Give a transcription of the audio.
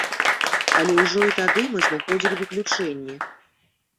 Але ўжо і тады мы знаходзілі выключэнні.